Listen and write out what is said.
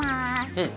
うん。